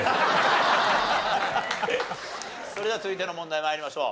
それでは続いての問題参りましょう。